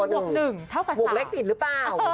๑บวก๑เท่ากับ๓บวกเล็กติดหรือเปล่า